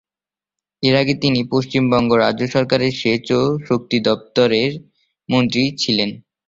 তার আগে তিনি পশ্চিমবঙ্গ রাজ্য সরকারের সেচ ও শক্তি দপ্তরের মন্ত্রী ছিলেন।